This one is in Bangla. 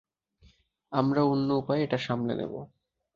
আমরা অন্য উপায়ে এটা সামলে নেবো।